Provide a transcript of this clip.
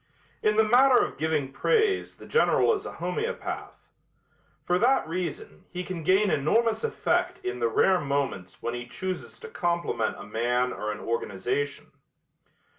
In the matter of giving praise the General is a homeopath. For that reason he can gain enormous effect in the rare moments when he chooses to compliment a man or an organization.